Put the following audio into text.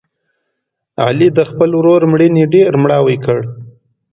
علي د خپل ورور مړینې ډېر مړاوی کړ.